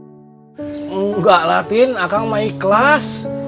tidak lah tin akang mah ikhlas